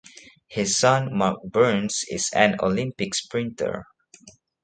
His son Marc Burns is an Olympic sprinter.